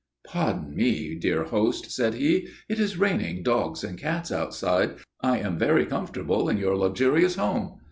"Pardon me, dear host," said he. "It is raining dogs and cats outside. I am very comfortable in your luxurious home.